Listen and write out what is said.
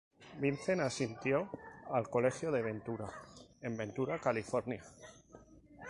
Vincent asistió al Colegio de Ventura en Ventura, California.